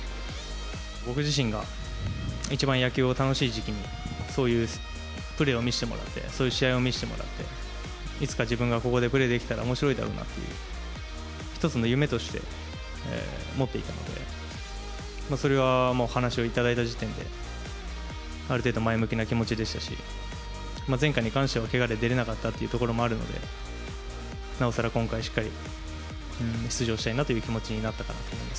僕自身が、一番野球を楽しい時期にそういうプレーを見せてもらって、そういう試合を見せてもらって、いつか自分がここでプレーできたらおもしろいだろうなっていう一つの夢として、持っていたので、それはお話を頂いた時点で、ある程度、前向きな気持ちでしたし、前回に関してはけがで出れなかったというところもあるので、なおさら今回、しっかり出場したいなという気持ちになったかなと思います。